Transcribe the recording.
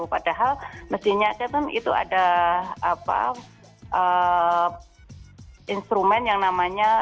padahal mestinya kan itu ada instrumen yang namanya